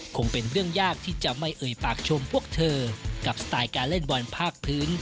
คงเป็นเรื่องยากที่จะไม่เอ่ยปากชมพวกเธอกับสไตล์การเล่นบอลภาคพื้น